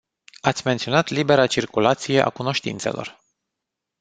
Ați menționat libera circulație a cunoștințelor.